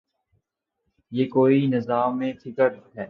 یہ کوئی نظام فکر ہے۔